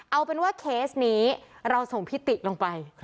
เอาเป็นว่าเคสนี้เราส่งพิติลงไป